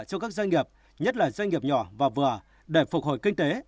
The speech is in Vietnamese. cho các doanh nghiệp nhất là doanh nghiệp nhỏ và vừa để phục hồi kinh tế